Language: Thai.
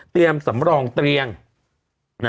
เตรียมสำรองเตรียม